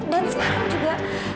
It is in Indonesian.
dan sekarang juga